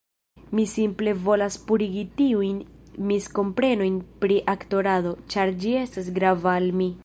Mi simple volas purigi tiujn miskomprenojn pri aktorado, ĉar ĝi estas grava al mi.